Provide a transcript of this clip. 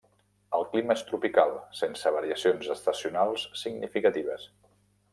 El clima és tropical sense variacions estacionals significatives.